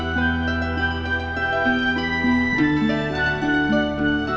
dateng terima kasih